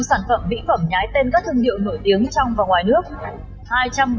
hai bảy trăm linh sản phẩm vĩ phẩm nhái tên các thương điệu nổi tiếng trong và ngoài nước